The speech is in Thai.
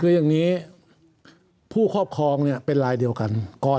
คืออย่างนี้ผู้ครอบครองเป็นลายเดียวกัน